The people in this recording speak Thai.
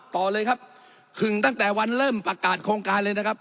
ต่อเลยครับขึงตั้งแต่วันเริ่มประกาศโครงการเลยนะครับ